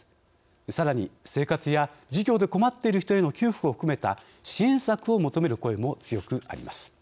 さらに生活や事業で困っている人への給付を含めた支援策を求める声も強くあります。